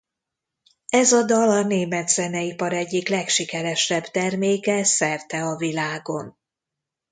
Ez a dal a német zeneipar egyik legsikeresebb terméke szerte a világon.